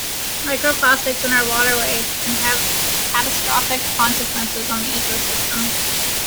Microplastics in our waterways can have catastrophic consequences on the ecosystem.